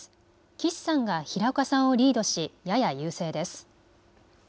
岸さんが平岡さんをリードしやや優勢です。